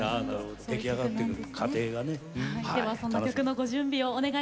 出来上がっていく過程がね。